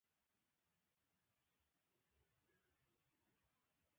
چې ځینې یې تر نورو ډېرې اغیزمنې او ښې دي.